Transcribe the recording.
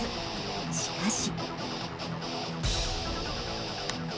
しかし。